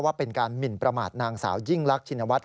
ว่าเป็นการหมินประมาทนางสาวยิ่งรักชินวัฒน